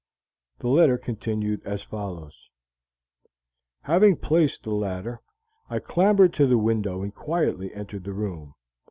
The letter continued as follows: "Having placed the ladder, I clambered to the window and quietly entered the room.